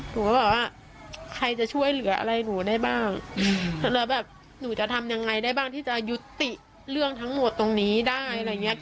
หนูก็บอกว่าใครจะช่วยเหลืออะไรหนูได้บ้างแล้วแบบหนูจะทำยังไงได้บ้างที่จะยุติเรื่องทั้งหมดตรงนี้ได้อะไรอย่างนี้